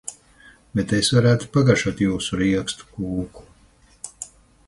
Bet es varētu pagaršotjūsu riekstu kūku.